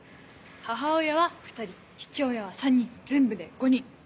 母親は２人父親は３人全部で５人！